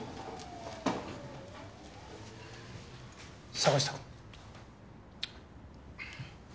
坂下君。